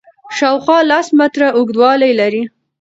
شاوخوا لس متره اوږدوالی لري.